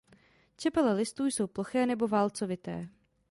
Čepele listů jsou ploché nebo válcovité.